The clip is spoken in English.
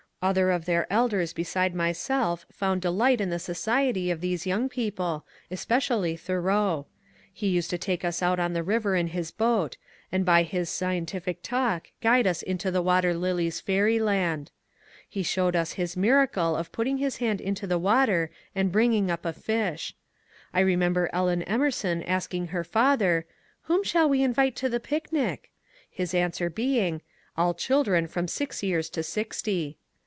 Other of their elders beside myself found delight in the society of these young people, especially Thoreau. He used to take us out on the river in his boat, and by his scien tific talk guide us into the water lilies* fairyland. He showed us his miracle of putting his hand into the water and bring ing up a fish.^ I remember Ellen Emerson asking her father, "Whom shall we invite to the picnic?" — his answer being, "All children from six years to sixty."